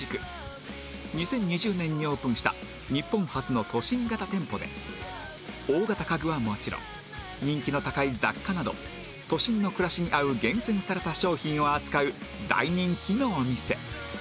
２０２０年にオープンした日本初の都心型店舗で大型家具はもちろん人気の高い雑貨など都心の暮らしに合う厳選された商品を扱う大人気のお店